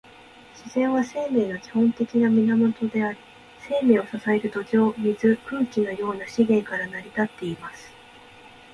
自然は、生命の基本的な源であり、生命を支える土壌、水、空気のような資源から成り立っています。